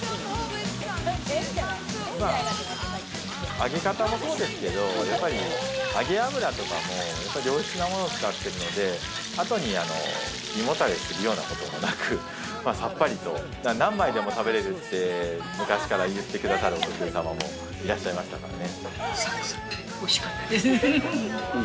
揚げ方もそうですけど、やっぱり揚げ油とかも良質なものを使っているので、後に胃もたれするようなこともなく、さっぱりと何枚でも食べれるんで昔から言ってくれるお客さんもいらっしゃいましたからね。